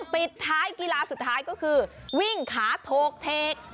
ปิดท้ายกีฬาสุดท้ายก็คือวิ่งขาโถกเทก